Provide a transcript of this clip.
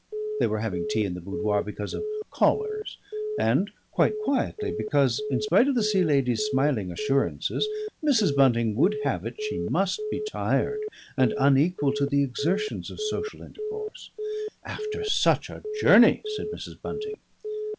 They were having tea in the boudoir, because of callers, and quite quietly because, in spite of the Sea Lady's smiling assurances, Mrs. Bunting would have it she must be tired and unequal to the exertions of social intercourse. "After such a journey," said Mrs. Bunting.